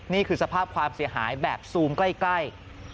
นี่คือสภาพความเสียหายแบบซูมใกล้